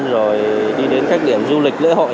rồi đi đến các điểm du lịch lễ hội